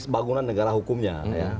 bangunan negara hukumnya